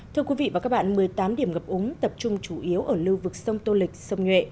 thưa quý vị và các bạn một mươi tám điểm ngập úng tập trung chủ yếu ở lưu vực sông tô lịch sông nhuệ